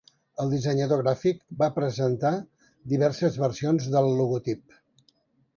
El dissenyador gràfic va presentar diverses versions del logotip.